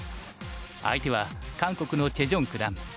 相手は韓国のチェ・ジョン九段。